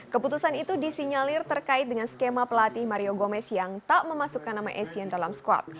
keputusan itu disinyalir terkait dengan skema pelatih mario gomez yang tak memasukkan nama essien dalam squad